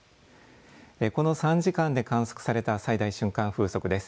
この３時間で観測された最大瞬間風速です。